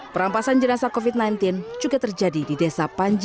perampasan jenazah covid sembilan belas juga terjadi di desa panji